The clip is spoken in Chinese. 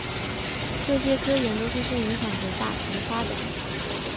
这些科研都深深影响着大学的发展。